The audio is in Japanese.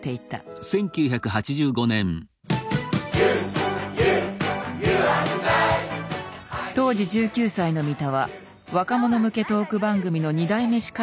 当時１９歳の三田は若者向けトーク番組の２代目司会者に抜てきされた。